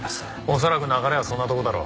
恐らく流れはそんなとこだろう。